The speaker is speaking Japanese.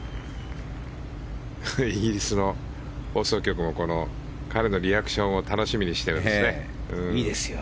イギリスの放送局も彼のリアクションを楽しみにしてるんですね。